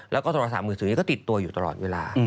แล้วก็โทรศัพท์มือถือนี้ก็ติดตัวอยู่ตลอดเวลา